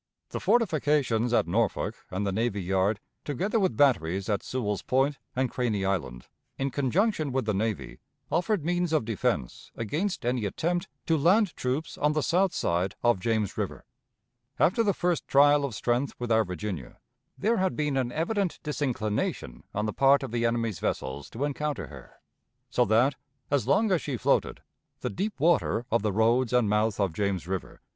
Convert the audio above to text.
The fortifications at Norfolk and the navy yard, together with batteries at Sewell's Point and Craney Island, in conjunction with the navy, offered means of defense against any attempt to land troops on the south side of James River. After the first trial of strength with our Virginia, there had been an evident disinclination on the part of the enemy's vessels to encounter her, so that, as long as she floated, the deep water of the roads and mouth of James River.